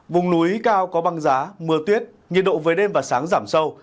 vùng núi cao có băng giá mưa tuyết nhiệt độ về đêm và sáng giảm sâu